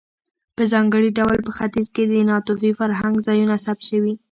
په ځانګړي ډول په ختیځ کې د ناتوفي فرهنګ ځایونه ثبت شوي.